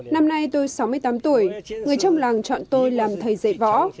năm nay tôi sáu mươi tám tuổi người trong làng chọn tôi làm thầy dạy võ